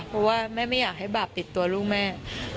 เพราะว่าแม่ไม่อยากให้บาปติดตัวลูกแม่